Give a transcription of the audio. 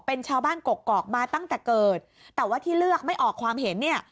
เป็นชาวบ้านกกอกมาตั้งแต่เกิดแต่ว่าที่เลือกไม่ออกความเห็นเนี่ย